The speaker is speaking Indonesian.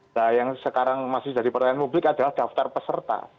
nah yang sekarang masih jadi pertanyaan publik adalah daftar peserta